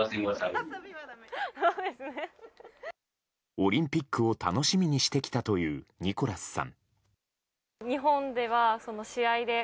オリンピックを楽しみにしてきたというニコラスさん。